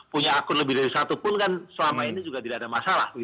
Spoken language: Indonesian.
punya akun lebih dari satu pun kan selama ini juga tidak ada masalah